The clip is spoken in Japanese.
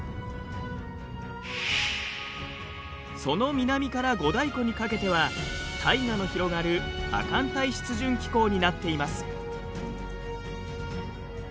その南から五大湖にかけてはタイガの広がる亜寒帯湿潤気候になっています。